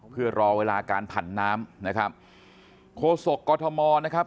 เพื่อรอเวลาการผันน้ำนะครับโคศกกอทมนะครับ